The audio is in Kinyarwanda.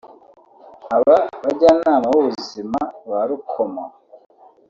Aba bajyanama b’ubuzima ba Rukomo